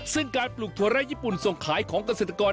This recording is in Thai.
ซึ่งการปลูกถั่วไร้ญี่ปุ่นส่งขายของเกษตรกร